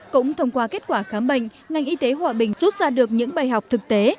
cũng thông qua kết quả khám bệnh ngành y tế hòa bình rút ra được những bài học thực tế